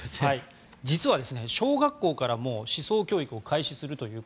実は、小学校から思想教育を開始すると。